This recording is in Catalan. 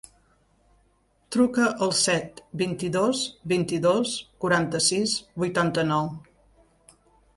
Truca al set, vint-i-dos, vint-i-dos, quaranta-sis, vuitanta-nou.